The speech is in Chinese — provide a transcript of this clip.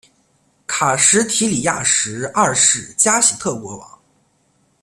卡什提里亚什二世加喜特国王。